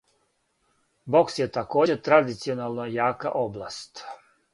Бокс је такође традиционално јака област.